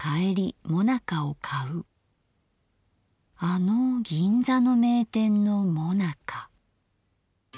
あの銀座の名店のもなか。